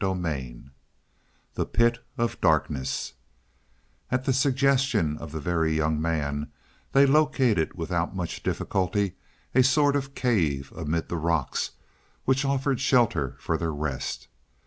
CHAPTER XVI THE PIT OF DARKNESS At the suggestion of the Very Young Man they located without much difficulty a sort of cave amid the rocks, which offered shelter for their rest.